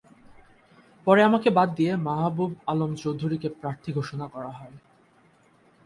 পরে আমাকে বাদ দিয়ে মাহবুবুল আলম চৌধুরীকে প্রার্থী ঘোষণা করা হয়।